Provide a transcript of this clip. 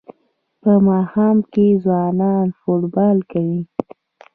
په ماښام کې ځوانان فوټبال کوي.